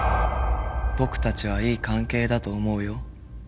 僕たちはいい関係だと思うよ。